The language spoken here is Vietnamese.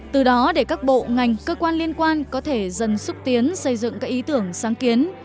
từ đó để các bộ ngành cơ quan liên quan có thể dần xúc tiến xây dựng các ý tưởng sáng kiến